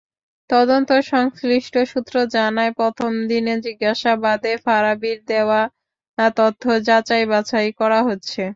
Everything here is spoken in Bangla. তদন্ত-সংশ্লিষ্ট সূত্র জানায়, প্রথম দিনের জিজ্ঞাসাবাদে ফারাবীর দেওয়া তথ্য যাচাই-বাছাই করা হচ্ছে।